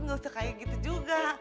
gak usah kayak gitu juga